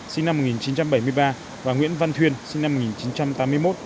sinh năm một nghìn chín trăm bảy mươi ba và nguyễn văn thuyên sinh năm một nghìn chín trăm tám mươi một